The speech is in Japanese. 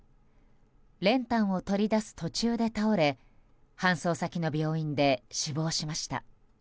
練炭を取り出す途中で倒れ搬送先の病院で死亡しました。